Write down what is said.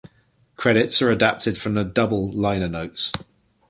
Credits are adapted from the "Dubbel" liner notes.